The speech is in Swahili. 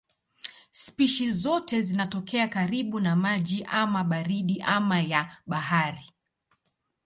Spishi zote zinatokea karibu na maji ama baridi ama ya bahari.